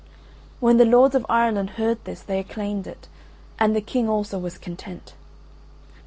When the lords of Ireland heard this they acclaimed it, and the King also was content.